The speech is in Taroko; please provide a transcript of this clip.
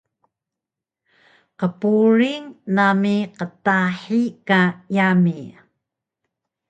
Qpuring nami qtahi ka yami